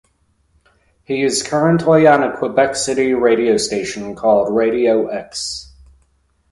He is currently on a Quebec City radio station called "Radio X".